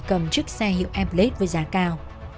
cầm chiếc xe hiệu emplet với giá cao